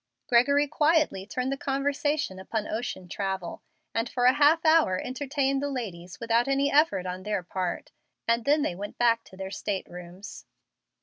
Gregory quietly turned the conversation upon ocean travel, and for a half hour entertained the ladies without any effort on their part, and then they went back to their state rooms.